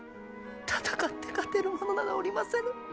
戦って勝てる者などおりませぬ！